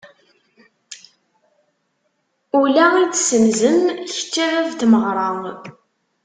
Ula i d-senzem, kečč a bab n tmeɣra.